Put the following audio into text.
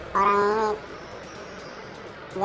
saya nunggu tembak aja tuh